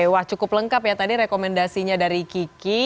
wah cukup lengkap ya tadi rekomendasinya dari kiki